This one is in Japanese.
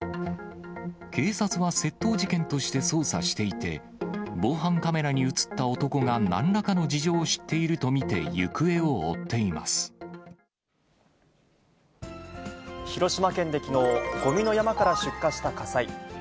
警察は窃盗事件として捜査していて、防犯カメラに写った男がなんらかの事情を知っていると見て行方を広島県できのう、ごみの山から出火した火災。